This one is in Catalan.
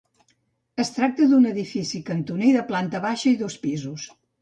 Es tracta d'un edifici cantoner de planta baixa i dos pisos.